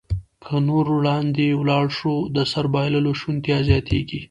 که نور وړاندې ولاړ شو، د سر بایللو شونتیا زیاتېږي.